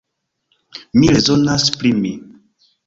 Mi rezonas pri mi.